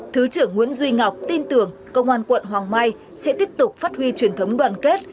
thứ trưởng nguyễn duy ngọc tin tưởng công an quận hoàng mai sẽ tiếp tục phát huy truyền thống đoàn kết